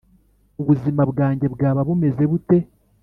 ubuzima bwanjye bwaba bumeze bute,